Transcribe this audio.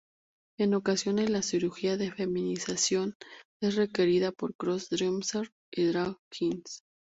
En ocasiones, la cirugía de feminización es requerida por "cross-dressers" y drag queens.